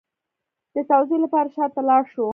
د توضیح لپاره شا ته لاړ شو